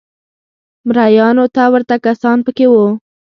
مریانو ته ورته کسان په کې وو